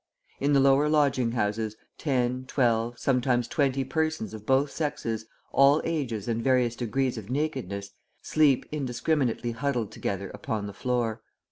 In the lower lodging houses ten, twelve, sometimes twenty persons of both sexes, all ages and various degrees of nakedness, sleep indiscriminately huddled together upon the floor.